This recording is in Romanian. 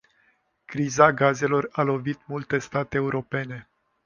Criza gazelor a lovit multe state europene.